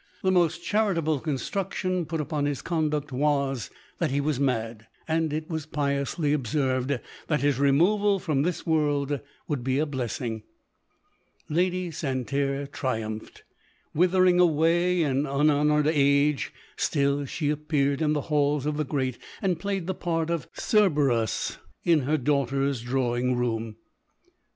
The most charitable 206 LODORE. construction put upon his conduct was, that he was mad, and it was piously observed, that his removal from this world would be a blessing. Lady Santerre triumphed. Withering away in unhonoured age, still she appeared in the halls of the great, and played the part of Cerberus in her daughter's drawing room.